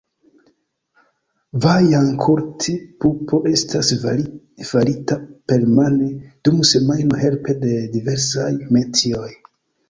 Vajang-Kulit-pupo estas farita permane dum semajno helpe de diversaj metioj.